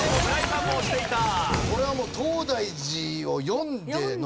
これはもう東大寺を読んでの。